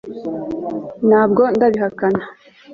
ntabwo ndabihakana